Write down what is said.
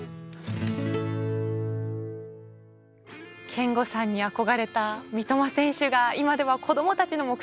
憲剛さんに憧れた三笘選手が今では子供たちの目標となっている。